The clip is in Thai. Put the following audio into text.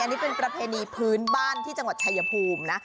อันนี้เป็นประเพณีพื้นบ้านที่จังหวัดชายภูมินะ